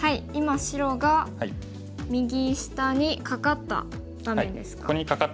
今白が右下にカカった場面ですか。